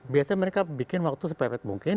biasanya mereka bikin waktu sepepet mungkin